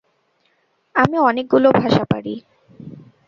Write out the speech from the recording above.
আমি অনেকগুলো ভাষা পারি।